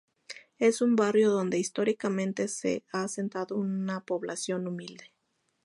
Es un barrio donde históricamente se ha asentado una población humilde.